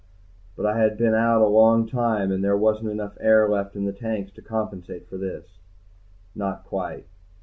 But I had been out a long time, and there wasn't enough left in the tanks to compensate for this. Not quite.